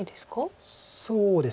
そうですね。